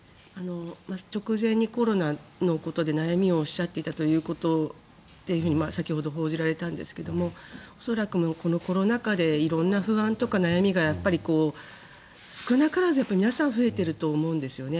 直前にコロナのことで悩みをおっしゃっていたと先ほど報じられたんですが恐らくこのコロナ禍で色んな不安とか悩みがやっぱり少なからず、皆さん増えていると思うんですよね。